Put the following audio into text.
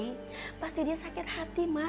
mungkin pasti dia sakit hati mak